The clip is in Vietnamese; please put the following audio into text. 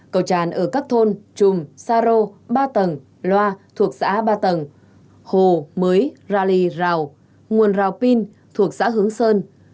cầu tràn ở các thôn trùm sa rô ba tầng loa thuộc xã ba tầng hồ mới rà lì rào nguồn rào pin thuộc xã hướng sơn